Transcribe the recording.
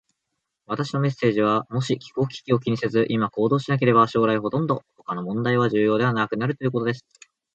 私のメッセージは、もし気候危機を気にせず、今行動しなければ、将来ほとんど他の問題は重要ではなくなるということです。